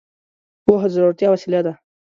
پوهه د زړورتيا وسيله ده.